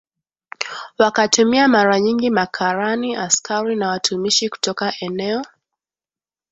wakatumia mara nyingi makarani askari na watumishi kutoka eneo